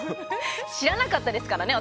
知らなかったですからね